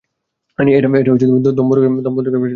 এটা দম বন্ধ করে ফেলছে তোমার, টের পাচ্ছ না?